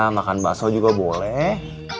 makan baso juga boleh